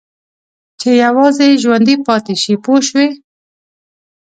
چې یوازې ژوندي پاتې شي پوه شوې!.